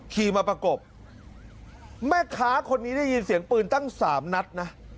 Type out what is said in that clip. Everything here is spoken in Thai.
ขี่มาประกบแม่ค้าคนนี้ได้ยินเสียงปืนตั้งสามนัดนะ